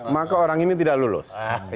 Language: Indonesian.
maka orang ini tidak lulus